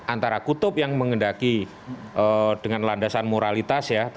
antara kutub yang mengendaki dengan landasan moralitas ya